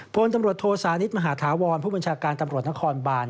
พลตำรวจโทสานิทมหาธาวรผู้บัญชาการตำรวจนครบาน